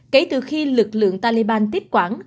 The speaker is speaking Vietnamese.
kể từ khi lực lượng taliban tiếp quản